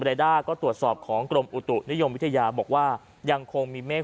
ด้าก็ตรวจสอบของกรมอุตุนิยมวิทยาบอกว่ายังคงมีเมฆ